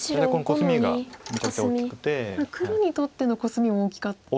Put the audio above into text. これ黒にとってのコスミも大きかった。